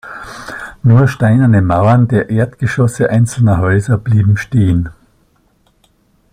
Nur steinerne Mauern der Erdgeschosse einzelner Häuser blieben stehen.